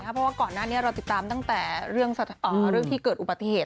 เพราะว่าก่อนหน้านี้เราติดตามตั้งแต่เรื่องที่เกิดอุบัติเหตุ